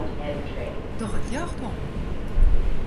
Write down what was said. Doch it ljocht oan.